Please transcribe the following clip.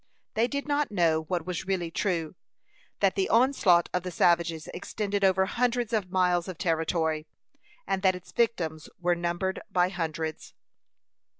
They did not know, what was really true, that the onslaught of the savages extended over hundreds of miles of territory, and that its victims were numbered by hundreds.